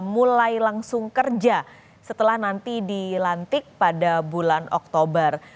mulai langsung kerja setelah nanti dilantik pada bulan oktober